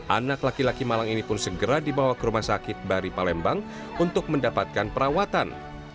anak laki laki malang ini pun segera dibawa ke rumah sakit bari palembang untuk mendapatkan perawatan